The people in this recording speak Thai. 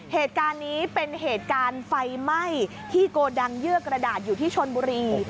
เหตุการณ์นี้เป็นเหตุการณ์ไฟไหม้ที่โกดังเยื่อกระดาษอยู่ที่ชนบุรี